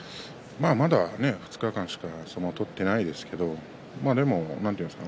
まだ２日間しか相撲を取っていないですけれどなんていうんですか